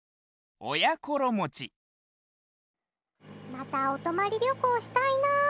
またおとまりりょこうしたいな。